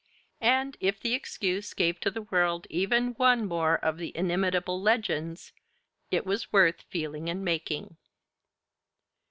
And if the excuse gave to the world even one more of the inimitable 'Legends,' it was worth feeling and making.